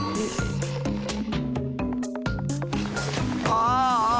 ああ。